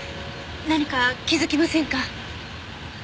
何か気づきませんか？